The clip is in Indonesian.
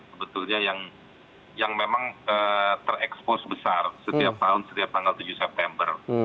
sebetulnya yang memang terekspos besar setiap tahun setiap tanggal tujuh september